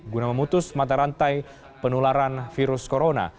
guna memutus mata rantai penularan virus corona